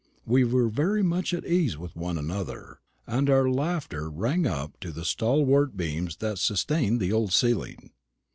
We were very much at ease with one another, and our laughter rang up to the stalwart beams that sustained the old ceiling.